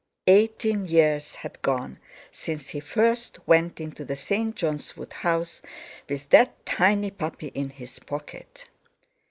Eighteen years had gone since he first went into the St. John's Wood house with that tiny puppy in his pocket.